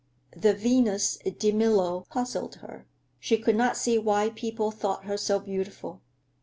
The Venus di Milo puzzled her; she could not see why people thought her so beautiful.